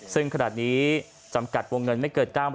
ซึ่งขนาดนี้จำกัดวงเงินไม่เกิน๙๐๐